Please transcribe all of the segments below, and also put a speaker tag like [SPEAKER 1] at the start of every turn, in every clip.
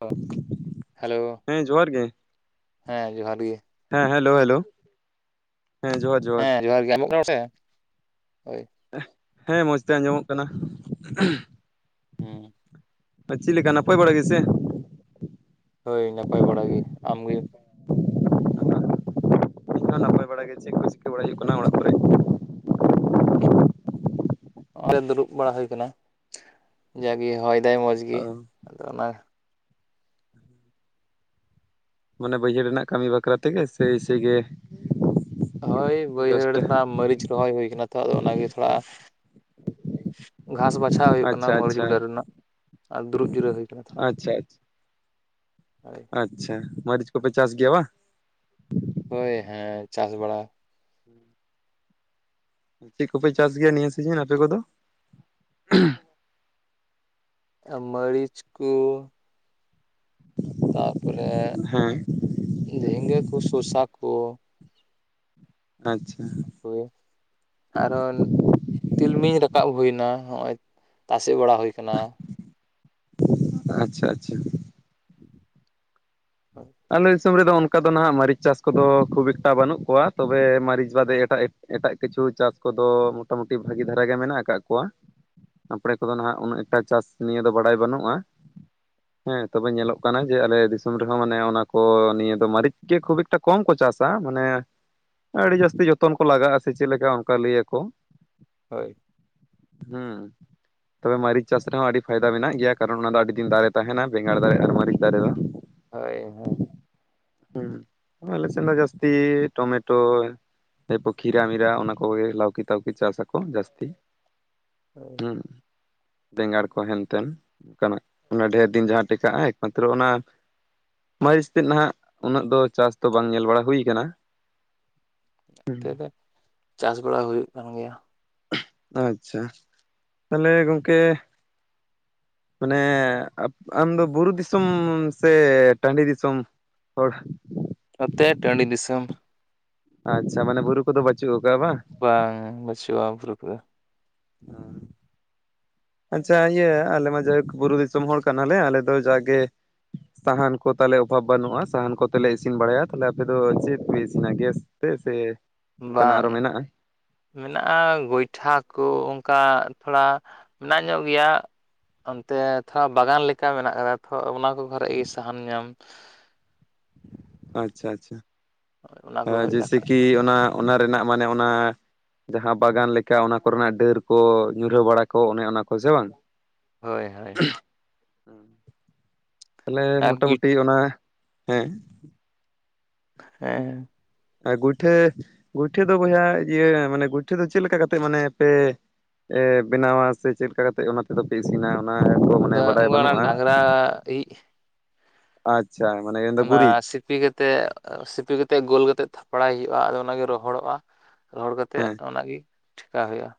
[SPEAKER 1] ᱦᱚᱸ ᱦᱮᱞᱳ
[SPEAKER 2] ᱦᱮᱸ ᱡᱚᱸᱦᱟᱨ ᱜᱮ,
[SPEAKER 1] ᱦᱮᱸ ᱡᱚᱸᱦᱟᱨ ᱜᱮ,
[SPEAKER 2] ᱦᱮᱸ ᱦᱮᱞᱳ ᱦᱮᱞᱳ ᱦᱮᱸ ᱡᱚᱦᱟᱨ ᱜᱤ,
[SPEAKER 1] ᱦᱮᱸ ᱡᱚᱸᱦᱟᱨ ᱜᱮ ᱮᱢᱚᱜ ᱠᱟᱱᱟ ᱠᱚ ᱥᱮ ᱦᱳᱭ,
[SPEAKER 2] ᱦᱮᱸ ᱢᱚᱡᱽ ᱛᱮ ᱟᱸᱡᱚᱢᱚᱜ ᱠᱟᱱᱟ᱾
[SPEAKER 1] ᱦᱮᱸ
[SPEAKER 2] [unintelligible] ᱪᱮᱫ ᱞᱮᱠᱟ ᱱᱟᱯᱟᱭ ᱵᱟᱲᱟ ᱜᱮ ᱥᱮ?
[SPEAKER 1] ᱦᱳᱭ ᱱᱟᱯᱟᱭ ᱵᱟᱲᱟ ᱜᱮ, ᱟᱢ ᱜᱮ?
[SPEAKER 2] ᱦᱚᱸ ᱱᱟᱯᱟᱭ ᱵᱟᱲᱟ ᱜᱮ ᱪᱮᱫ ᱠᱚ ᱪᱤᱠᱟᱹ ᱵᱟᱲᱟᱭ ᱦᱩᱭᱩᱜ ᱠᱟᱱᱟ ᱚᱲᱟᱜ ᱠᱚᱨᱮ?
[SPEAKER 1] ᱱᱚᱜᱰᱮ ᱫᱩᱲᱩᱵ ᱵᱟᱲᱟ ᱦᱩᱭ ᱟᱠᱟᱱᱟ ᱡᱟᱜᱮ ᱦᱚᱭ ᱫᱟᱭ ᱢᱚᱸᱡᱽ
[SPEAKER 2] ᱚ
[SPEAKER 1] ᱜᱮ ᱟᱫᱚ ᱚᱱᱟ
[SPEAKER 2] ᱢᱟᱱᱮ ᱵᱟᱹᱭᱦᱟᱹᱲ ᱨᱮᱱᱟᱜ ᱠᱟᱹᱢᱤ ᱵᱟᱠᱷᱨᱟ ᱛᱮᱜᱮ ᱥᱮ ᱤᱥᱟᱹ ᱜᱮ,
[SPEAKER 1] ᱦᱳᱭ ᱵᱟᱹᱭᱦᱟᱹᱲ
[SPEAKER 2] ᱡᱟᱥᱴ
[SPEAKER 1] ᱨᱮ ᱛᱷᱚᱲᱟ ᱢᱟᱹᱨᱤᱪ ᱨᱚᱦᱚᱭ ᱦᱩᱭ ᱠᱟᱱᱟ ᱛᱚ ᱟᱫᱚ ᱚᱱᱟᱜᱮ ᱛᱷᱚᱲᱟ, ᱜᱷᱟᱸᱥ ᱵᱟᱪᱷᱟᱣ ᱦᱩᱭᱩᱜ ᱠᱟᱱᱟ,
[SPEAKER 2] ᱟᱪᱪᱷᱟ
[SPEAKER 1] ᱢᱟᱹᱨᱤᱪ
[SPEAKER 2] ᱟᱪᱪᱷᱟ
[SPEAKER 1] ᱜᱚᱰᱟ ᱨᱮᱱᱟᱜ ᱟᱨ ᱫᱩᱲᱩᱵ ᱡᱤᱨᱟᱹ ᱦᱩᱭ [inaudible] [unintelligible]
[SPEAKER 2] ᱟᱪᱪᱷᱟ ᱟᱪᱪᱷᱟ ᱟᱪᱪᱷᱟ ᱢᱟᱹᱨᱤᱪ ᱠᱚᱯᱮ ᱪᱟᱥ ᱜᱮᱭᱟ ᱵᱟᱝ?
[SPEAKER 1] ᱦᱳᱭ ᱦᱮᱸ ᱪᱟᱥ ᱵᱟᱲᱟ
[SPEAKER 2] ᱪᱮᱫ ᱠᱚᱯᱮ ᱪᱟᱥ ᱜᱮᱭᱟ ᱱᱤᱭᱟᱹ ᱥᱤᱡᱤᱱ ᱟᱯᱮ ᱠᱚᱫᱚ
[SPEAKER 1] ᱢᱟᱹᱨᱤᱪ ᱠᱚ, ᱛᱟᱨᱯᱚᱨᱮ
[SPEAKER 2] ᱦᱮᱸ
[SPEAKER 1] ᱡᱷᱤᱸᱜᱟᱹ ᱠᱚ, ᱥᱳᱥᱟ ᱠᱚ,
[SPEAKER 2] ᱟᱪᱪᱷᱟ
[SPEAKER 1] ᱦᱳᱭ ᱠᱟᱨᱚᱱ ᱛᱤᱞᱢᱤᱧ ᱨᱟᱠᱟᱵ ᱦᱩᱭᱱᱟ ᱦᱚᱜᱼᱚᱭ ᱛᱟᱥᱮ ᱵᱟᱲᱟ ᱦᱩᱭ ᱪᱟᱞᱟᱣ
[SPEAKER 2] ᱟᱪᱪᱷᱟ ᱟᱪᱪᱷᱟ᱾
[SPEAKER 1] [inaudible]
[SPEAKER 2] ᱟᱞᱮ ᱫᱤᱥᱚᱢ ᱨᱮᱫᱚ ᱚᱱᱠᱟ ᱫᱚ ᱱᱟᱦᱟᱜ ᱢᱟᱹᱨᱤᱪ ᱪᱟᱥ ᱠᱚᱫᱚ ᱠᱷᱩᱵ ᱮᱠᱴᱟ ᱵᱟᱹᱱᱩᱜ ᱠᱚᱣᱟ, ᱛᱚᱵᱮ ᱢᱟᱹᱨᱤᱪ ᱵᱟᱫᱮ ᱮᱴᱟᱜ ᱮ ᱮᱴᱟᱜ ᱠᱤᱪᱷᱩ ᱪᱟᱥ ᱠᱚᱫᱚ ᱢᱚᱴᱟᱢᱩᱴᱤ ᱵᱷᱟᱜᱤ ᱫᱷᱟᱨᱟ ᱜᱮ ᱢᱮᱱᱟᱜ ᱟᱠᱟᱜ ᱠᱚᱣᱟ᱾ ᱟᱯᱲᱮ ᱠᱚᱫᱚ ᱱᱟᱦᱟᱜ ᱩᱱᱟᱹᱜ ᱮᱠᱴᱟ ᱪᱟᱥ ᱱᱤᱭᱟᱹ ᱫᱚ ᱵᱟᱲᱟᱭ ᱵᱟᱹᱱᱩᱜᱼᱟ᱾ ᱦᱮᱸ ᱛᱚᱵᱮ ᱧᱮᱞᱚᱜ ᱠᱟᱱᱟ ᱡᱮ ᱟᱞᱮ ᱫᱤᱥᱚᱢ ᱨᱮᱦᱚᱸ ᱢᱟᱱᱮ ᱚᱱᱟ ᱠᱚ ᱱᱤᱭᱟᱹ ᱫᱚ ᱢᱟᱹᱨᱤᱪ ᱜᱮ ᱠᱷᱩᱵ ᱮᱠᱴᱟ ᱠᱚᱢ ᱠᱚ ᱪᱟᱥᱟ, ᱢᱟᱱᱮ ᱟᱹᱰᱤ ᱡᱟᱹᱥᱛᱤ ᱡᱚᱛᱚᱱ ᱠᱚ ᱞᱟᱜᱟᱜᱼᱟ ᱥᱮ ᱪᱮᱫ ᱞᱮᱠᱟ ᱚᱱᱠᱟ ᱞᱟᱹᱭᱟᱠᱚ
[SPEAKER 1] ᱦᱳᱭ᱾
[SPEAKER 2] ᱦᱩᱸ ᱛᱚᱵᱮ ᱢᱟᱹᱨᱤᱪ ᱪᱟᱥ ᱨᱮᱦᱚᱸ ᱟᱹᱰᱤ ᱯᱷᱟᱭᱫᱟ ᱢᱮᱱᱟᱜ ᱜᱮᱭᱟ ᱠᱟᱨᱚᱱ ᱚᱱᱟ ᱫᱚ ᱟᱹᱰᱤ ᱫᱤᱱ ᱫᱟᱨᱮ ᱛᱟᱦᱮᱱᱟ ᱵᱮᱸᱜᱟᱲ ᱫᱟᱨᱮ ᱟᱨ ᱢᱟᱹᱨᱤᱪ ᱫᱟᱨᱮ ᱫᱚ
[SPEAKER 1] ᱦᱳᱭ ᱦᱳᱭ
[SPEAKER 2] ᱦᱩᱸ ᱟᱞᱮ ᱥᱮᱫ ᱫᱚ ᱡᱟᱹᱥᱛᱤ ᱴᱚᱢᱮᱴᱳ [unintelligible] ᱯᱚ ᱠᱷᱤᱨᱟ ᱢᱤᱨᱟ ᱚᱱᱟ ᱠᱚᱜᱮ ᱞᱟᱹᱣᱠᱤ ᱛᱟᱹᱣᱠᱤ ᱪᱟᱥᱟᱠᱚ ᱡᱟᱹᱥᱛᱤ᱾ ᱦᱩᱸ
[SPEAKER 1] ᱱᱚᱛᱮ
[SPEAKER 2] ᱵᱮᱸᱜᱟᱲ ᱠᱚ ᱦᱮᱱᱛᱮᱱ ᱚᱱᱠᱟᱱᱟᱜ ᱚᱱᱟ ᱰᱷᱮᱨ ᱫᱤᱱ ᱡᱟᱦᱟᱸ ᱴᱤᱠᱟᱜᱼᱟ ᱮᱠᱢᱟᱛᱨᱚ ᱚᱱᱟ ᱢᱟᱹᱨᱤᱪ ᱛᱮᱫ ᱱᱟᱦᱟᱜ ᱩᱱᱟᱹᱜ ᱫᱚ ᱪᱟᱥ ᱫᱚ ᱵᱟᱝ ᱧᱮᱞ ᱵᱟᱲᱟ ᱦᱩᱭ ᱠᱟᱱᱟ᱾
[SPEAKER 1] ᱤᱛᱟ. ᱫᱚ ᱪᱟᱥ ᱵᱟᱲᱟ ᱦᱩᱭᱩᱜ ᱠᱟᱱ ᱜᱮᱭᱟ᱾
[SPEAKER 2] ᱟᱪᱪᱷᱟ ᱛᱟᱦᱚᱞᱮ ᱜᱚᱝᱠᱮ ᱢᱟᱱᱮ ᱟᱢᱫᱚ ᱵᱩᱨᱩ ᱫᱤᱥᱚᱢ ᱥᱮ ᱴᱟᱺᱰᱤ ᱫᱤᱥᱚᱢ? [unintelligible]
[SPEAKER 1] ᱱᱚᱛᱮ ᱴᱟᱺᱰᱤ ᱫᱤᱥᱚᱢ᱾
[SPEAKER 2] ᱟᱪᱪᱷᱟ ᱢᱟᱱᱮ ᱵᱩᱨᱩ ᱠᱚᱫᱚ ᱵᱟᱪᱩᱜ ᱠᱟᱜᱼᱟ ᱵᱟᱝ?
[SPEAKER 1] ᱵᱟᱝ ᱵᱟᱹᱪᱷᱩᱣᱟᱹ ᱵᱤᱨᱩᱫ ᱨᱮ
[SPEAKER 2] ᱦᱮᱸ ᱟᱪᱪᱷᱟ ᱤᱭᱟᱹ ᱟᱞᱮᱢᱟ ᱡᱟᱭᱦᱚᱠ ᱵᱩᱨᱩ ᱫᱤᱥᱚᱢ ᱦᱚᱲ ᱠᱟᱱᱟᱞᱮ ᱟᱞᱮ ᱫᱚ ᱡᱟᱜᱮ ᱥᱟᱦᱟᱱ ᱠᱚ ᱛᱟᱦᱚᱞᱮ ᱚᱵᱷᱟᱵᱽ ᱵᱟᱹᱱᱩᱜᱼᱟ ᱥᱟᱦᱟᱱ ᱠᱚᱛᱮᱞᱮ ᱤᱥᱤᱱ ᱵᱟᱲᱟᱭᱟ ᱛᱟᱦᱞᱮ ᱟᱯᱮ ᱫᱚ ᱪᱮᱫ ᱯᱮ ᱤᱥᱤᱱᱟ ᱜᱮᱥ ᱦᱮ ᱥᱮ ᱚᱱᱠᱟᱱᱟᱜ ᱟᱨᱚ
[SPEAKER 1] ᱵᱟᱝ
[SPEAKER 2] ᱢᱮᱱᱟᱜᱼᱟ
[SPEAKER 1] ᱢᱮᱱᱟᱜᱼᱟ ᱜᱚᱭᱴᱷᱟ ᱠᱚ ᱚᱱᱠᱟ ᱛᱷᱚᱲᱟ ᱢᱮᱱᱟᱜ ᱧᱚᱜ ᱜᱮᱭᱟ, ᱚᱱᱛᱮ ᱛᱷᱚᱲᱟ ᱵᱟᱜᱟᱱ ᱞᱮᱠᱟ ᱢᱮᱱᱟᱜ ᱠᱟᱫᱟ ᱛᱚ ᱚᱱᱟ ᱠᱚ ᱠᱚᱨᱮ ᱜᱮ ᱥᱟᱦᱟᱱ ᱧᱟᱢ
[SPEAKER 2] ᱟᱪᱪᱷᱟ ᱟᱪᱪᱷᱟ
[SPEAKER 1] ᱚᱱᱟ ᱠᱚ ᱠᱷᱚᱡ
[SPEAKER 2] ᱡᱮᱭᱥᱮ
[SPEAKER 1] ᱫᱟᱠᱟ ᱩᱛᱩ
[SPEAKER 2] ᱠᱤ ᱚᱱᱟ ᱚᱱᱟ ᱨᱮᱱᱟᱜ ᱢᱟᱱᱮ ᱚᱱᱟ ᱡᱟᱦᱟᱸ ᱵᱟᱜᱟᱱ ᱞᱮᱠᱟ ᱚᱱᱟ ᱠᱚᱨᱮᱱᱟᱜ ᱰᱟᱹᱨ ᱠᱚ ᱧᱩᱨᱦᱟᱹ ᱵᱟᱲᱟ ᱠᱚ ᱚᱱᱮ ᱚᱱᱟ ᱠᱚ ᱥᱮ ᱵᱟᱝ
[SPEAKER 1] ᱦᱳᱭ ᱦᱳᱭ᱾
[SPEAKER 2] ᱛᱟᱦᱚᱞᱮ
[SPEAKER 1] ᱟᱨ ᱜᱩᱭ
[SPEAKER 2] ᱢᱚᱴᱟᱢᱩᱴᱤ ᱚᱱᱟ ᱦᱮᱸ
[SPEAKER 1] ᱦᱮᱸ
[SPEAKER 2] ᱟᱨ ᱜᱩᱭᱴᱷᱟᱹ ᱜᱩᱭᱴᱷᱟᱹ ᱫᱚ ᱵᱚᱭᱦᱟ ᱤᱭᱟᱹ ᱢᱟᱱᱮ ᱜᱩᱭᱴᱷᱟᱹ ᱫᱚ ᱪᱮᱫ ᱞᱮᱠᱟ ᱠᱟᱛᱮᱫ ᱢᱟᱱᱮ ᱯᱮ ᱮ ᱵᱮᱱᱟᱣᱟ ᱥᱮ ᱪᱮᱫ ᱞᱮᱠᱟ ᱠᱟᱛᱮ ᱚᱱᱟ ᱫᱚᱯᱮ ᱤᱥᱤᱱᱟ ᱚᱱᱟ ᱠᱚ
[SPEAKER 1] ᱚᱱᱟ
[SPEAKER 2] ᱢᱟᱱᱮ
[SPEAKER 1] ᱫᱚ
[SPEAKER 2] ᱵᱟᱰᱟᱭ
[SPEAKER 1] ᱩᱱᱠᱩ ᱚᱱᱟ
[SPEAKER 2] ᱵᱟᱹᱱᱩᱜᱼᱟ,
[SPEAKER 1] ᱰᱟᱝᱨᱟ ᱤᱡ
[SPEAKER 2] ᱟᱪᱪᱷᱟ ᱢᱟᱱᱮ ᱢᱮᱱᱫᱚ
[SPEAKER 1] ᱚᱱᱟ
[SPEAKER 2] ᱜᱩᱨᱤᱡ᱾
[SPEAKER 1] ᱥᱤᱯᱤ ᱠᱟᱛᱮ ᱥᱤᱯᱤ ᱠᱟᱛᱮ ᱜᱳᱞ ᱠᱟᱛᱮᱜ ᱛᱷᱟᱯᱲᱟᱭ ᱦᱩᱭᱩᱜᱼᱟ ᱟᱫᱚ ᱚᱱᱟᱜᱮ ᱨᱚᱦᱚᱲᱚᱜᱼᱟ᱾ ᱨᱚᱦᱚᱲ ᱠᱟᱛᱮᱫ
[SPEAKER 2] ᱦᱮᱸ
[SPEAKER 1] ᱚᱱᱟ ᱜᱮ ᱴᱷᱮᱠᱟ ᱦᱩᱭᱩᱜᱼᱟ᱾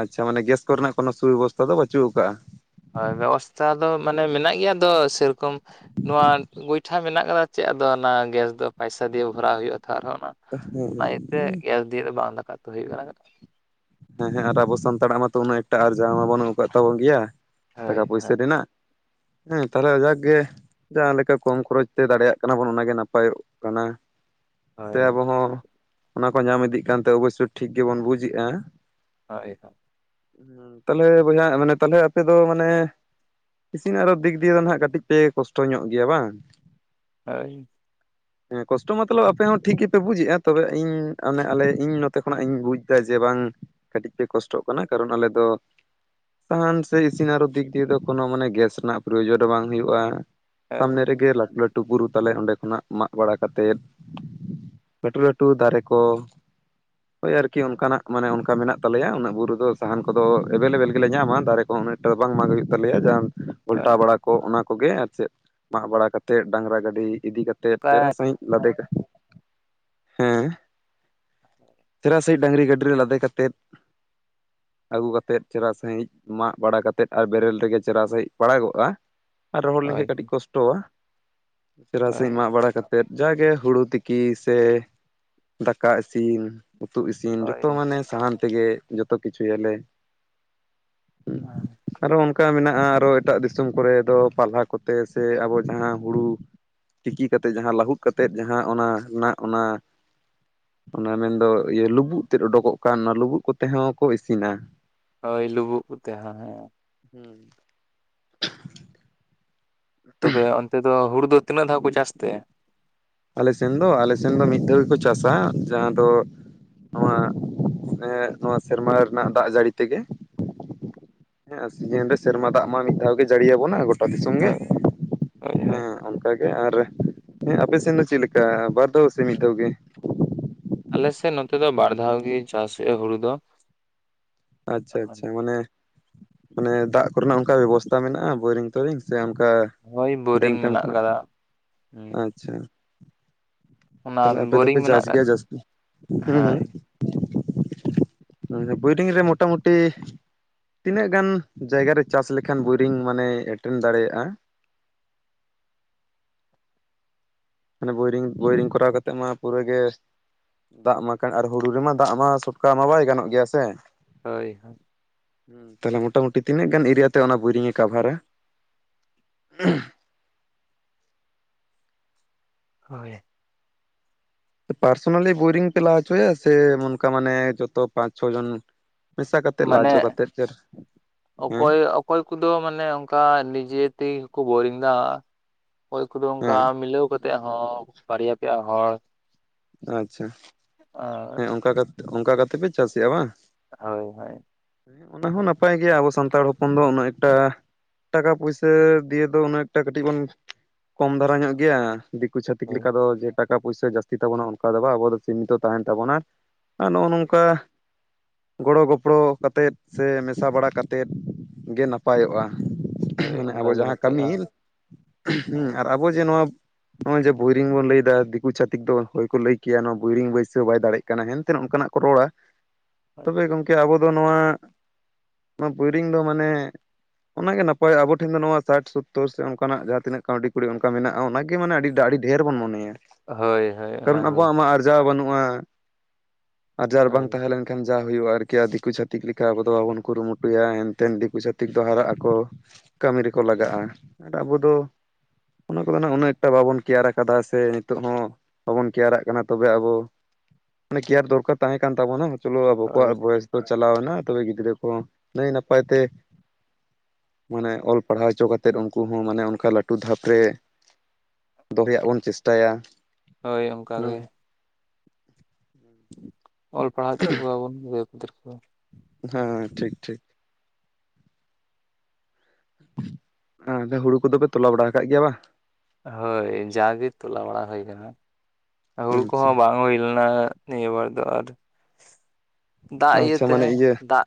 [SPEAKER 2] ᱟᱪᱪᱷᱟ ᱢᱟᱱᱮ ᱜᱮᱥ ᱠᱚᱨᱮᱱᱟᱜ ᱠᱚᱱᱳ ᱥᱩᱵᱮᱵᱚᱥᱛᱷᱟ ᱫᱚ ᱵᱟᱹᱪᱩᱜ ᱟᱠᱟᱟᱜᱼᱟ
[SPEAKER 1] ᱦᱳᱭ ᱵᱮᱵᱚᱥᱛᱷᱟ ᱫᱚ ᱢᱟᱱᱮ ᱢᱮᱱᱟᱜ ᱜᱮᱭᱟ ᱟᱫᱚ ᱥᱮᱨᱚᱠᱚᱢ ᱱᱚᱣᱟ ᱜᱚᱭᱴᱷᱟ ᱢᱮᱱᱟᱜ ᱟᱠᱟᱫᱟ ᱪᱮᱫ ᱟᱫᱚ ᱚᱱᱟ ᱜᱮᱥ ᱫᱚ ᱯᱟᱭᱥᱟ ᱫᱤᱭᱮ ᱵᱷᱚᱨᱟᱣ ᱦᱩᱭᱩᱜᱼᱟ ᱛᱚ ᱟᱨᱦᱚᱸ ᱚᱱᱟ ᱵᱟᱭᱛᱮ
[SPEAKER 2] ᱦᱮᱸ
[SPEAKER 1] ᱜᱮᱥ ᱫᱤᱭᱮ ᱫᱚ ᱵᱟᱝ ᱫᱟᱠᱟ ᱩᱛᱩ ᱦᱩᱭᱩᱜ ᱠᱟᱱᱟ᱾
[SPEAKER 2] ᱦᱮᱸ ᱦᱮᱸ ᱟᱨ ᱟᱵᱚ ᱥᱟᱱᱛᱟᱲᱟᱜ ᱢᱟᱛᱚ ᱩᱱᱟᱹᱜ ᱮᱠᱴᱟ ᱟᱨᱡᱟ ᱢᱟ ᱵᱟᱹᱱᱩᱜ ᱟᱠᱟᱫ ᱛᱟᱵᱚᱱ ᱜᱮᱭᱟ
[SPEAKER 1] ᱦᱳᱭ
[SPEAKER 2] ᱴᱟᱠᱟ ᱯᱩᱭᱥᱟᱹ
[SPEAKER 1] ᱦᱳᱭ
[SPEAKER 2] ᱨᱮᱱᱟᱜ ᱦᱮᱸ ᱛᱟᱞᱮ ᱡᱟᱠ ᱜᱮ ᱡᱟᱦᱟᱸ ᱞᱮᱠᱟ ᱠᱚᱢ ᱠᱷᱚᱨᱚᱪ ᱛᱮ ᱫᱟᱲᱮᱭᱟᱜ ᱠᱟᱱᱟ ᱵᱚᱱ ᱚᱱᱟ ᱜᱮ ᱱᱟᱯᱟᱭ ᱚᱜ ᱠᱟᱱᱟ ᱛᱮ ᱟᱵᱚᱦᱚᱸ ᱚᱱᱟ ᱠᱚ ᱧᱟᱢ ᱤᱫᱤᱜ ᱠᱟᱱᱛᱮ ᱚᱵᱚᱥᱥᱭᱚ ᱴᱷᱤᱠ ᱜᱮᱵᱚᱱ ᱵᱩᱡ ᱮ-ᱟ
[SPEAKER 1] ᱦᱳᱭ ᱦᱳ
[SPEAKER 2] ᱛᱟᱦᱚᱞᱮ ᱵᱚᱭᱦᱟ ᱢᱟᱱᱮ ᱛᱟᱦᱞᱮ ᱟᱯᱮ ᱫᱚ ᱢᱟᱱᱮ ᱤᱥᱤᱱ ᱟᱨᱚ ᱫᱤᱠ ᱫᱤᱭᱮ ᱫᱚ ᱱᱟᱦᱟᱜ ᱠᱟᱹᱴᱤᱡ ᱯᱮ ᱠᱚᱥᱴᱚ ᱧᱚᱜ ᱜᱮᱭᱟ ᱵᱟᱝ
[SPEAKER 1] ᱦᱳᱭ
[SPEAKER 2] [unintelligible] ᱦᱮᱸ ᱠᱚᱥᱴᱚ ᱢᱟᱛᱚᱞᱚᱵ ᱟᱯᱮ ᱦᱚᱸ ᱴᱷᱤᱠ ᱜᱮᱯᱮ ᱵᱩᱡᱮᱫ-ᱟ ᱛᱚᱵᱮ ᱤᱧ ᱚᱱᱮ ᱟᱞᱮ ᱤᱧ ᱱᱚᱛᱮ ᱠᱷᱚᱱᱟᱜ ᱤᱧ ᱵᱩᱡᱫᱟ ᱡᱮ ᱵᱟᱝ ᱠᱟᱹᱴᱤᱡ ᱯᱮ ᱠᱚᱥᱴᱚᱜ ᱠᱟᱱᱟ ᱠᱟᱨᱚᱱ ᱟᱞᱮ ᱫᱚ ᱥᱟᱦᱟᱱ ᱥᱮ ᱤᱥᱤᱱ ᱟᱨᱚ ᱫᱤᱠ ᱫᱤᱭᱮ ᱫᱚ ᱠᱳᱱᱚ ᱢᱟᱱᱮ ᱜᱮᱥ ᱨᱮᱱᱟᱜ ᱯᱨᱚᱭᱳᱡᱚᱱ ᱦᱚ ᱵᱟᱝ ᱦᱩᱭᱩᱜᱼᱟ
[SPEAKER 1] ᱦᱳᱭ
[SPEAKER 2] ᱥᱟᱢᱱᱮ ᱨᱮ ᱜᱮ ᱞᱟᱹᱴᱩ ᱞᱟᱹᱴᱩ ᱞᱟᱹᱴᱩ ᱵᱩᱨᱩ ᱛᱟᱞᱮ ᱚᱸᱰᱮ ᱠᱷᱚᱱᱟᱜ ᱢᱟᱜ ᱵᱟᱲᱟ ᱠᱟᱛᱮᱫ ᱞᱟᱹᱴᱩ ᱞᱟᱹᱴᱩ ᱫᱟᱨᱮ ᱠᱚ, ᱦᱳᱭ ᱟᱨᱠᱤ ᱚᱱᱠᱟᱱᱟᱜ ᱢᱟᱱᱮ ᱚᱱᱠᱟ ᱢᱮᱱᱟᱜ ᱠᱚ ᱛᱟᱞᱮᱭᱟ ᱩᱱᱟᱹᱜ ᱵᱩᱨᱩ ᱫᱚ ᱥᱟᱦᱟᱱ ᱠᱚᱫᱚ ᱮᱵᱮᱞᱮᱵᱮᱞ ᱜᱮᱞᱮ ᱧᱟᱢᱟ ᱫᱟᱨᱮ ᱠᱚ ᱩᱱᱟᱹᱜᱴᱟ ᱵᱟᱝ ᱢᱟᱜ ᱦᱩᱭᱩᱜ ᱛᱟᱞᱮᱭᱟ ᱡᱟᱦᱟᱸ
[SPEAKER 1] ᱦᱳᱭ
[SPEAKER 2] ᱯᱟᱞᱴᱟᱣ ᱵᱟᱲᱟ ᱠᱚ ᱚᱱᱟ ᱠᱚᱜᱮ ᱟᱨ ᱪᱮᱫ ᱢᱟᱜ ᱵᱟᱲᱟ ᱠᱟᱛᱮᱫ ᱰᱟᱝᱨᱟ ᱜᱟᱹᱰᱤ ᱤᱫᱤ ᱠᱟᱛᱮᱫ
[SPEAKER 1] ᱦᱳᱭ
[SPEAKER 2] ᱪᱮᱦᱨᱟ ᱥᱟᱺᱦᱤᱡ ᱞᱟᱫᱮ ᱠᱟᱛᱮᱜ ᱦᱮᱸ [unintelligible] ᱥᱮ ᱰᱟᱝᱝᱨᱤ ᱜᱟᱹᱰᱤ ᱨᱮ ᱞᱟᱫᱮ ᱠᱟᱛᱮᱫ ᱟᱹᱜᱩ ᱠᱟᱛᱮᱫ ᱪᱮᱨᱦᱟ ᱥᱟᱺᱦᱤᱡ ᱢᱟᱜ ᱵᱟᱲᱟ ᱠᱟᱛᱮᱫ ᱟᱨ ᱵᱮᱨᱮᱞ ᱨᱮᱜᱮ ᱪᱮᱨᱦᱟ ᱥᱟᱺᱦᱤᱡ ᱯᱟᱲᱟᱜᱚᱜᱼᱟ᱾ ᱟᱨ ᱨᱚᱦᱚᱲ ᱞᱮᱱᱠᱷᱟ
[SPEAKER 1] ᱦᱳᱭ
[SPEAKER 2] ᱠᱟᱹᱴᱤᱡ ᱠᱚᱥᱴᱚᱼᱟ ᱪᱮᱨᱦᱟ
[SPEAKER 1] ᱦᱳᱭ
[SPEAKER 2] ᱥᱮᱦᱤᱧ ᱢᱟᱜ ᱵᱟᱲᱟ ᱠᱟᱛᱮᱫ ᱛᱮᱫ ᱡᱟᱜᱮ ᱦᱩᱲᱩ ᱛᱤᱠᱤ ᱥᱮ ᱫᱟᱠᱟ ᱤᱥᱤᱱ ᱩᱛᱩ ᱤᱥᱤᱱ ᱡᱚᱛᱚ
[SPEAKER 1] ᱦᱳᱭ
[SPEAKER 2] ᱢᱟᱱᱮ ᱥᱟᱦᱟᱱ ᱛᱮᱜᱮ ᱡᱚᱛᱚ ᱠᱤᱪᱷᱩᱭᱟᱞᱮ᱾ ᱦᱩᱸ
[SPEAKER 1] ᱦᱸ [unintelligible]
[SPEAKER 2] ᱟᱨᱚ ᱚᱱᱠᱟ ᱢᱮᱱᱟᱜᱼᱟ ᱟᱨᱚ ᱮᱴᱟᱜ ᱫᱤᱥᱚᱢ ᱠᱚᱨᱮ ᱫᱚ ᱯᱟᱞᱦᱟ ᱠᱚᱛᱮ ᱥᱮ ᱟᱵᱚ ᱡᱟᱦᱟᱸ ᱦᱩᱲᱩ ᱛᱤᱠᱤ ᱠᱟᱛᱮᱫ ᱡᱟᱦᱟᱸ ᱞᱟᱹᱦᱩᱫ ᱠᱟᱛᱮᱫ ᱡᱟᱦᱟᱸ ᱚᱱᱟ ᱱᱟᱜ ᱚᱱᱟ ᱚᱱᱟ ᱢᱮᱱᱫᱚ ᱤᱭᱟᱹ ᱞᱩᱵᱩᱜ ᱛᱮᱫ ᱩᱰᱩᱠᱚᱜ ᱠᱟᱱ ᱚᱱᱟ ᱞᱩᱵᱩᱜ ᱠᱚᱛᱮ ᱦᱚᱸ ᱠᱚ ᱤᱥᱤᱱᱟ᱾
[SPEAKER 1] ᱦᱳᱭ ᱞᱩᱵᱩᱜ ᱠᱚᱛᱮ ᱦᱮᱸ
[SPEAKER 2] ᱦᱩᱸ
[SPEAKER 1] ᱛᱚᱵᱮ ᱚᱱᱛᱮ ᱫᱚ ᱦᱩᱲᱩ ᱛᱤᱱᱟᱹᱜ ᱫᱷᱟᱣ ᱠᱚ ᱪᱟᱥ ᱛᱮ?
[SPEAKER 2] ᱟᱞᱮ ᱥᱮᱱ ᱫᱚ ᱟᱞᱮ ᱥᱮᱱ ᱫᱚ ᱢᱤᱫ ᱫᱷᱟᱣ ᱜᱮᱠᱚ ᱪᱟᱥ -ᱟ ᱡᱟᱦᱟᱸ ᱫᱚ ᱱᱚᱣᱟ ᱮ ᱥᱮᱨᱢᱟ ᱨᱮᱱᱟᱜ ᱫᱟᱜ ᱡᱟᱹᱲᱤ ᱛᱮᱜᱮ, ᱦᱮᱸ ᱥᱤᱡᱤᱱ ᱨᱮ ᱥᱮᱨᱢᱟ ᱫᱟᱜ ᱢᱟ ᱢᱤᱫ ᱫᱷᱟᱣ ᱜᱮ ᱡᱟᱹᱲᱤ ᱟᱵᱚᱱᱟ ᱜᱚᱴᱟ ᱫᱤᱥᱚᱢ ᱜᱮ
[SPEAKER 1] ᱦᱳᱭ ᱦᱳᱭ ᱦᱳᱭ
[SPEAKER 2] ᱦᱮᱸ ᱚᱱᱠᱟᱜᱮ ᱟᱨ ᱦᱮ ᱟᱯᱮ ᱥᱮᱱ ᱫᱚ ᱪᱮᱫ ᱞᱮᱠᱟ ᱵᱟᱨ ᱫᱷᱟᱣ ᱥᱮ ᱢᱤᱫ ᱫᱷᱟᱣ ᱜᱮ
[SPEAKER 1] ᱟᱞᱮᱥᱮᱫ ᱱᱚᱛᱮ ᱫᱚ ᱵᱟᱨ ᱫᱷᱟᱣ ᱜᱮ ᱪᱟᱥ ᱦᱩᱭᱩᱜᱼᱟ ᱦᱩᱲᱩ ᱫᱚ
[SPEAKER 2] ᱟᱪᱪᱷᱟ ᱟᱪᱪᱷᱟ ᱢᱟᱱᱮ ᱢᱟᱱᱮ ᱫᱟᱜ ᱠᱚᱨᱮᱱᱟᱜ ᱚᱱᱠᱟ ᱵᱮᱵᱚᱥᱛᱟ ᱢᱮᱱᱟᱜᱼᱟ ᱵᱳᱭᱨᱤᱝ ᱛᱳᱨᱤᱝ ᱥᱮ ᱚᱱᱠᱟ
[SPEAKER 1] ᱦᱳᱭ
[SPEAKER 2] ᱰᱮᱢ
[SPEAKER 1] ᱵᱳᱨᱤᱝ
[SPEAKER 2] ᱛᱮᱢ
[SPEAKER 1] ᱢᱮᱱᱟᱜ
[SPEAKER 2] ᱠᱷᱚᱱᱟᱜ
[SPEAKER 1] ᱠᱟᱫᱟ ᱦᱩᱸ
[SPEAKER 2] ᱟᱪᱪᱷᱟ
[SPEAKER 1] ᱚᱱᱟ
[SPEAKER 2] ᱛᱟᱦᱚᱞᱮ ᱟᱯᱮ ᱫᱚᱯᱮ
[SPEAKER 1] ᱵᱳᱨᱤᱝ ᱢᱮᱱᱟᱜ
[SPEAKER 2] ᱪᱟᱥ
[SPEAKER 1] ᱠᱟᱫᱟ
[SPEAKER 2] ᱜᱮᱭᱟ ᱡᱟᱹᱥᱛᱤ ᱦᱩᱸ
[SPEAKER 1] ᱦᱳᱭ
[SPEAKER 2] ᱦᱩᱸ ᱵᱳᱭᱨᱤᱝ ᱨᱮ ᱢᱳᱴᱟᱢᱩᱴᱤ ᱛᱤᱱᱟᱹᱜ ᱜᱟᱱ ᱡᱟᱭᱜᱟ ᱨᱮ ᱪᱟᱥ ᱞᱮᱠᱷᱟᱱ ᱵᱳᱭᱨᱤᱝ ᱢᱟᱱᱮ ᱮᱴᱮᱱ ᱫᱟᱲᱮᱭᱟᱜᱼᱟ᱾ ᱢᱟᱱᱮ ᱵᱳᱭᱨᱤᱝ ᱵᱳᱭᱨᱤᱝ ᱠᱚᱨᱟᱣ ᱠᱟᱛᱮᱜ ᱢᱟ ᱯᱩᱨᱟᱹᱜᱮ ᱫᱟᱜ ᱢᱟ ᱠᱟᱱ ᱟᱨ ᱦᱩᱲᱩ ᱨᱮᱢᱟ ᱫᱟᱜ ᱢᱟ ᱥᱚᱴᱠᱟ ᱢᱟ ᱵᱟᱭ ᱜᱟᱱᱚᱜ ᱜᱮᱭᱟ ᱥᱮ
[SPEAKER 1] [unintelligible]
[SPEAKER 2] ᱦᱮᱸ ᱛᱟᱦᱞᱮ ᱢᱚᱴᱟ ᱢᱩᱴᱤ ᱛᱤᱱᱟᱹᱜ ᱜᱟᱱ ᱮᱨᱤᱭᱟ ᱛᱮ ᱚᱱᱟ ᱵᱳᱨᱤᱧ ᱮ ᱠᱟᱵᱷᱟᱨᱟ [unintelligible]
[SPEAKER 1] [unintelligible]
[SPEAKER 2] ᱯᱟᱨᱥᱳᱱᱟᱞᱤ ᱵᱳᱨᱤᱝ ᱯᱮ ᱞᱟ ᱦᱚᱪᱚᱼᱭᱟ ᱥᱮ ᱚᱱᱠᱟ ᱢᱟᱱᱮ ᱡᱚᱛᱚ ᱯᱟᱸᱪ ᱪᱷᱚ ᱡᱚᱱ ᱢᱮᱥᱟ ᱠᱟᱛᱮᱮᱫ ᱞᱟ
[SPEAKER 1] ᱢᱟᱱᱮ
[SPEAKER 2] ᱦᱚᱪᱚ ᱠᱟᱛᱮᱫ [unintelligible] ᱦᱮᱸ
[SPEAKER 1] ᱚᱠᱚᱭ ᱚᱠᱚᱭ ᱠᱚᱫᱚ ᱢᱟᱱᱮ ᱚᱱᱠᱟ ᱱᱤᱡᱮ ᱛᱮᱜᱮ ᱠᱚ ᱵᱳᱨᱤᱝ ᱫᱟ ᱚᱠᱚᱭ ᱠᱚᱫᱚ ᱚᱱᱠᱟ
[SPEAKER 2] ᱦᱮᱸ
[SPEAKER 1] ᱢᱤᱞᱟᱹᱣ ᱠᱟᱛᱮᱫ ᱦᱚᱸ ᱵᱟᱨᱭᱟ ᱯᱮᱭᱟ ᱦᱚᱲ
[SPEAKER 2] ᱟᱪᱪᱷᱟ
[SPEAKER 1] [unintelligible]
[SPEAKER 2] ᱦᱮᱸ ᱚᱝᱠᱟ ᱚᱝᱠᱟ ᱠᱟᱛᱮ ᱯᱮ ᱪᱟᱹᱥ ᱮᱜ-ᱟ ᱵᱟᱝ
[SPEAKER 1] ᱦᱳᱭ ᱦᱳᱭ
[SPEAKER 2] ᱚᱱᱟ ᱦᱚᱸ ᱱᱟᱯᱟᱭ ᱜᱮᱭᱟ ᱟᱵᱚ ᱥᱟᱱᱛᱟᱲ ᱦᱚᱯᱚᱱ ᱫᱚ ᱩᱱᱟᱹᱜ ᱮᱠᱴᱟ ᱴᱟᱠᱟ ᱯᱩᱭᱥᱟᱹ ᱫᱤᱭᱮ ᱫᱚ ᱩᱱᱟᱹᱜ ᱮᱠᱴᱟ ᱠᱟᱹᱴᱤᱡ ᱵᱚᱱ ᱠᱚᱢ ᱫᱷᱟᱨᱟ ᱧᱚᱜ ᱜᱮᱭᱟ ᱫᱤᱠᱩ ᱪᱷᱟᱛᱤᱠ
[SPEAKER 1] ᱦᱳᱭ
[SPEAKER 2] ᱞᱮᱠᱟ ᱫᱚ ᱡᱮ ᱴᱟᱠᱟ ᱯᱩᱭᱥᱟᱹ ᱡᱟᱹᱥᱛᱤ ᱛᱟᱵᱚᱱᱟ ᱚᱱᱠᱟ ᱫᱚ ᱟᱵᱚ ᱫᱚ ᱥᱤᱢᱤᱛᱚ ᱛᱟᱦᱮᱱ ᱛᱟᱵᱚᱱᱟ ᱟ ᱱᱚᱜᱼᱚ
[SPEAKER 1] ᱦᱳᱭ
[SPEAKER 2] ᱱᱚᱝᱠᱟ ᱜᱚᱲᱚ ᱜᱚᱯᱲᱚ ᱠᱟᱛᱮᱫ ᱥᱮ ᱢᱮᱥᱟ ᱵᱟᱲᱟ ᱠᱟᱛᱮᱫ ᱜᱮ ᱱᱟᱯᱟᱭᱚᱜᱼᱟ
[SPEAKER 1] ᱦᱳᱭ
[SPEAKER 2] [inaudible] ᱢᱟᱱᱮ ᱟᱵᱚ
[SPEAKER 1] ᱚᱱᱠᱟᱜᱮ
[SPEAKER 2] ᱡᱟᱸᱦᱟ ᱞᱮᱠᱟ
[SPEAKER 1] ᱱᱟᱯᱟᱭᱚᱜᱼᱟ ᱦᱳᱭ
[SPEAKER 2] [unintelligible] ᱟᱨ [unintelligible] ᱟᱵᱚ ᱡᱮ ᱱᱚᱣᱟ ᱱᱚᱜᱼᱚᱭ ᱡᱮ ᱵᱳᱨᱤᱝ ᱵᱚᱱ ᱞᱟᱹᱭ-ᱫᱟ ᱫᱤᱠᱩ ᱪᱷᱟᱛᱤᱠ ᱫᱚ ᱦᱚᱭ ᱠᱚ ᱞᱟᱹᱭ ᱠᱮᱭᱟ ᱱᱚᱣᱟ ᱵᱳᱨᱤᱝ ᱵᱟᱹᱭ ᱪᱮᱫ ᱵᱟᱭ ᱫᱟᱲᱮᱜ ᱠᱟᱱᱟ ᱦᱮᱱ ᱛᱮ ᱚᱝᱠᱟ-ᱱᱟᱜ ᱠᱚ ᱨᱚᱲᱟ ᱛᱚᱵᱮ ᱜᱚᱢᱠᱮ ᱟᱵᱚ ᱫᱚ ᱱᱚᱣᱟ ᱱᱚᱣᱟ ᱵᱳᱭᱨᱤᱝ ᱫᱚ ᱢᱟᱱᱮ ᱚᱱᱟ ᱜᱮ ᱱᱟᱯᱟᱭ ᱟᱵᱚ ᱴᱷᱮᱱ ᱫᱚ ᱱᱚᱣᱟ ᱥᱟᱴ ᱥᱳᱛᱛᱳᱨ ᱥᱮ ᱚᱱᱠᱟᱱ-ᱟᱜ ᱡᱟᱦᱟᱸ ᱛᱤᱱᱟᱹᱜ ᱠᱟᱹᱣᱰᱤ ᱠᱩᱲᱤ ᱚᱱᱠᱟ ᱢᱮᱱᱟᱜᱼᱟ ᱚᱱᱟ ᱜᱮ ᱢᱟᱱᱮ ᱟᱹᱰᱤ ᱰᱷᱮᱨ ᱵᱚᱱ ᱢᱚᱱᱮᱭᱟ
[SPEAKER 1] ᱦᱳᱭ ᱦᱳᱭ
[SPEAKER 2] ᱠᱟᱨᱚᱱ
[SPEAKER 1] ᱚᱱᱟᱜᱮ
[SPEAKER 2] ᱟᱵᱚᱣ-ᱟᱜ ᱢᱟ ᱟᱨᱡᱟᱣ ᱵᱟᱹᱱᱩᱜᱼᱟ [unintelligible] ᱵᱟᱝ
[SPEAKER 1] ᱦᱳᱭ
[SPEAKER 2] ᱛᱟᱦᱮᱸᱞᱮᱱ ᱮᱱᱠᱷᱟᱱ ᱡᱟ ᱦᱩᱭᱩᱜ-ᱟ ᱟᱨᱠᱤ ᱟᱨ ᱫᱤᱠᱩ ᱪᱷᱟᱛᱤᱠ ᱞᱮᱠᱟ ᱟᱵᱚᱫᱚ ᱵᱟᱵᱚᱱ ᱠᱩᱨᱩᱢᱩᱴᱩᱭᱟ ᱦᱮᱱᱛᱮᱱ ᱫᱤᱠᱩ ᱪᱷᱟᱹᱛᱤᱠ ᱫᱚ ᱦᱟᱨᱟᱜ ᱟᱠᱚ ᱠᱟᱹᱢᱤ ᱨᱮᱠᱚ ᱞᱟᱜᱟᱜᱼᱟ ᱟᱨ ᱟᱵᱚ ᱫᱚ ᱚᱱᱟ ᱠᱚᱫᱚ ᱩᱱᱟᱹᱜ ᱮᱠᱴᱟ ᱵᱟᱵᱚᱱ ᱠᱮᱭᱟᱨ ᱟᱠᱟᱫᱟ ᱥᱮ ᱱᱤᱛᱚᱜ ᱦᱚᱸ ᱵᱟᱵᱚᱱ ᱠᱮᱭᱟᱨ-ᱟᱜ ᱠᱟᱱᱟ ᱛᱚᱵᱮ ᱟᱵᱚ ᱢᱟᱱᱮ ᱠᱮᱭᱟᱨ ᱫᱚᱨᱠᱟᱨ ᱛᱟᱦᱮᱸ ᱠᱟᱱ ᱛᱟᱵᱚ-ᱱᱟ [unintelligible] ᱟᱵᱚ
[SPEAKER 1] ᱦᱳᱭ
[SPEAKER 2] ᱠᱚᱣᱟᱜ [unintelligible] ᱪᱟᱞᱟᱣ ᱮᱱᱟ ᱛᱚᱵᱮ ᱜᱤᱫᱽᱨᱟᱹ ᱠᱚ ᱱᱟᱹᱭ ᱱᱟᱯᱟᱭ ᱛᱮ ᱢᱟᱱᱮ ᱚᱞ ᱯᱟᱲᱦᱟᱣ ᱦᱚᱪᱚ ᱠᱟᱛᱮᱫ ᱩᱱᱠᱩ ᱦᱚᱸ ᱢᱟᱱᱮ ᱚᱱᱠᱟ ᱞᱟᱹᱴᱷᱩ ᱫᱷᱟᱯ ᱨᱮ ᱫᱚᱦᱚᱭᱟᱜ ᱵᱚᱱ ᱪᱮᱥᱴᱟᱭᱟ
[SPEAKER 1] ᱦᱳᱭ ᱚᱝᱠᱟ
[SPEAKER 2] ᱦᱩᱸ
[SPEAKER 1] ᱜᱮ ᱚᱞ ᱯᱟᱲᱦᱟᱣ ᱦᱚᱪᱚ ᱠᱚᱣᱟ ᱵᱚᱱ ᱜᱤᱫᱟᱹᱨ ᱯᱤᱫᱟᱹᱨ ᱠᱚ᱾
[SPEAKER 2] ᱦᱮᱸ ᱴᱷᱤᱠ ᱴᱷᱤᱠ ᱦᱮᱸ ᱦᱩᱲᱩ ᱠᱚᱫᱚ ᱯᱮ ᱛᱚᱞᱟ ᱵᱟᱲᱟ ᱟᱠᱟᱫ ᱜᱮᱭᱟ ᱵᱟᱝ?
[SPEAKER 1] ᱦᱳᱭ ᱡᱟ ᱜᱮ ᱛᱚᱞᱟ ᱵᱟᱲᱟ ᱦᱩᱭ ᱠᱟᱱᱟ ᱦᱩᱲᱩ ᱠᱚ
[SPEAKER 2] ᱟᱪᱪᱷᱟ
[SPEAKER 1] ᱦᱚᱸ ᱵᱟᱝ ᱦᱩᱭ ᱞᱮᱱᱟ ᱱᱤᱭᱟᱹ ᱵᱟᱨ ᱫᱚ ᱟᱨ ᱫᱟᱜ ᱤᱭᱟᱹ
[SPEAKER 2] ᱟᱪᱪᱷᱟ
[SPEAKER 1] ᱛᱮ
[SPEAKER 2] ᱢᱟᱱᱮ ᱤᱭᱟᱹ
[SPEAKER 1] ᱫᱟᱜ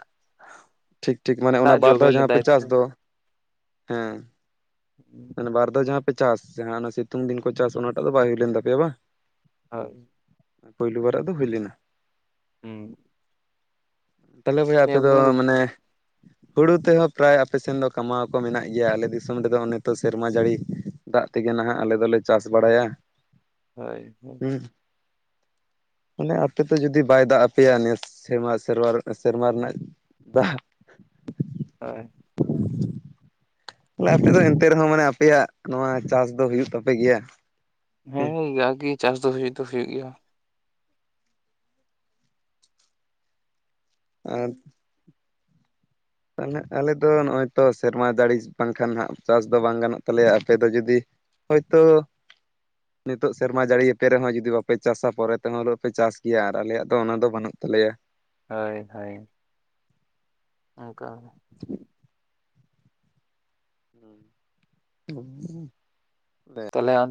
[SPEAKER 2] ᱴᱷᱤᱠ ᱴᱷᱤᱠ ᱢᱟᱱᱮ
[SPEAKER 1] ᱫᱟᱜ
[SPEAKER 2] ᱚᱱᱟ ᱵᱟᱨ
[SPEAKER 1] ᱡᱚᱵᱮ
[SPEAKER 2] ᱫᱷᱟᱣ ᱡᱟᱦᱟᱸ ᱯᱮ
[SPEAKER 1] ᱞᱮᱫᱟᱭ ᱛᱚ
[SPEAKER 2] ᱪᱟᱥ ᱫᱚ ᱦᱮᱸ
[SPEAKER 1] [unintelligible]
[SPEAKER 2] ᱢᱟᱱᱮ ᱵᱟᱨ ᱫᱷᱟᱣ ᱡᱟᱦᱟᱸ ᱯᱮ ᱪᱟᱥ ᱡᱟᱦᱟᱸ ᱥᱤᱛᱩᱝ ᱫᱤᱱ ᱠᱚ ᱪᱟᱹᱥ ᱚᱱᱟ ᱴᱟᱜ ᱫᱚ ᱵᱟᱹᱭ ᱦᱩᱭ ᱞᱮᱱ ᱛᱟᱯᱮᱭᱟ ᱵᱟ
[SPEAKER 1] [unintelligible]
[SPEAKER 2] ᱯᱩᱭᱞᱩ ᱵᱟᱨᱟᱜ ᱫᱚ ᱦᱩᱭ ᱞᱮᱱᱟ
[SPEAKER 1] [unintelligible]
[SPEAKER 2] ᱛᱟᱞᱦᱮ ᱵᱚᱭᱦᱟ ᱟᱯᱮ ᱫᱚ
[SPEAKER 1] ᱦᱳᱭ
[SPEAKER 2] ᱢᱟᱱᱮ ᱦᱩᱲᱩ ᱛᱮ ᱦᱚᱸ ᱯᱨᱟᱭ ᱟᱯᱮ ᱥᱮᱱ ᱫᱚ ᱠᱟᱢᱟᱣ ᱠᱚ ᱢᱮᱱᱟᱜ ᱜᱮᱭᱟ ᱟᱞᱮ ᱫᱤᱥᱚᱢ [unintelligible] ᱚᱱᱮ ᱛᱚ ᱥᱮᱨᱢᱟ ᱡᱟᱹᱲᱤ ᱫᱟᱜ ᱛᱮ ᱜᱮ ᱱᱟᱦᱟᱜ ᱟᱞᱮ ᱫᱚ ᱞᱮ ᱪᱟᱹᱥ ᱵᱟᱲᱟᱭᱟ
[SPEAKER 1] ᱦᱳᱭ ᱦᱳᱭ
[SPEAKER 2] [unintelligible] ᱢᱟᱱᱮ ᱟᱯᱮ ᱛᱚ ᱡᱩᱫᱤ ᱵᱟᱭ ᱫᱟᱜ ᱟᱯᱮᱭ-ᱟ ᱱᱮᱥ ᱥᱮᱨᱢᱟ [unintelligible] ᱥᱮᱨᱢᱟ ᱨᱮᱱᱟᱜ [unintelligible]
[SPEAKER 1] ᱦᱳᱭ
[SPEAKER 2] [inaudible] ᱦᱮ ᱟᱯᱮ ᱫᱚ ᱮᱱᱛᱮ ᱨᱮᱦᱚᱸ, ᱢᱟᱱᱮ ᱟᱯᱮᱭᱟᱜ ᱱᱚᱣᱟ ᱪᱟᱥ ᱫᱚ ᱦᱩᱭᱩᱜ ᱛᱟᱯᱮ ᱜᱮᱭᱟ ᱾
[SPEAKER 1] ᱦᱮᱸ ᱡᱟᱜ ᱜᱮ ᱪᱟᱥ ᱫᱚ ᱦᱩᱭᱩᱜ ᱫᱚ ᱦᱩᱭᱩᱜ ᱜᱮᱭᱟ ᱾
[SPEAKER 2] ᱟᱨ ᱛᱟᱦᱚᱞᱮ ᱟᱞᱮ ᱱᱚᱜᱼᱚᱭ ᱛᱚ ᱥᱮᱨᱢᱟ ᱡᱟᱹᱲᱤ ᱵᱟᱝᱠᱷᱟᱱ ᱦᱟᱸᱜ, ᱪᱟᱥ ᱫᱚ ᱵᱟᱝ ᱜᱟᱱᱚᱜ ᱛᱟᱞᱮᱭᱟ ᱟᱯᱮ ᱫᱚ ᱡᱩᱫᱤ ᱦᱚᱭ ᱛᱚ ᱱᱤᱛᱚᱜ ᱥᱮᱨᱢᱟ ᱡᱟᱹᱲᱤᱭ ᱟᱯᱮ ᱨᱮᱦᱚᱸ ᱡᱩᱫᱤ ᱵᱟᱯᱮ ᱪᱟᱥᱟ? ᱯᱚᱨᱮ ᱛᱮᱦᱚᱸ ᱱᱟᱹᱜ ᱯᱮ ᱪᱟᱥ ᱜᱮᱭᱟ ᱾ᱟᱨ ᱟᱞᱮᱭᱟᱜ ᱫᱚ ᱚᱱᱟᱫᱚ ᱵᱟᱹᱱᱩᱜ ᱛᱟᱞᱮᱭᱟ ᱾
[SPEAKER 1] ᱦᱳᱭ ᱦᱳᱭ ᱾ ᱚᱱᱠᱟ
[SPEAKER 2] ᱦᱩᱸ [inaudible] ᱦᱩᱸ [unintelligible]
[SPEAKER 1] ᱛᱚᱞᱮ [unintelligible]